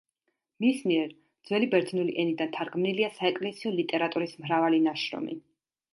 მის მიერ ძველი ბერძნული ენიდან თარგმნილია საეკლესიო ლიტერატურის მრავალი ნაშრომი.